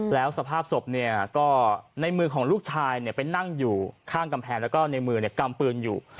แล้วสภาพศพเนี่ยก็ในมือของลูกชายไปนั่งอยู่ข้างกำแพงแล้วก็ในมือกำปืนอยู่